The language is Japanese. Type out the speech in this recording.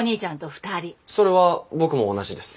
それは僕も同じです。